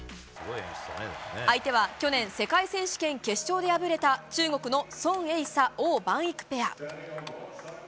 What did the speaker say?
相手は去年世界選手権決勝で敗れた中国のソン・エイサオウ・マンイクペア。